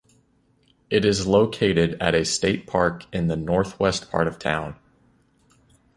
It is located at a state park in the northwest part of town.